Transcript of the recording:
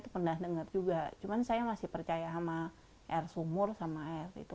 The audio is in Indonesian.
pernah dengar juga cuman saya masih percaya sama air sumur sama air itu